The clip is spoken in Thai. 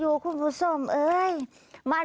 ย่าดาวเก่าอีกย้า